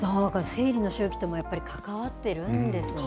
生理の周期ともやっぱり関わっているんですね。